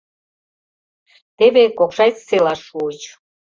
Теве Кокшайск селаш шуыч.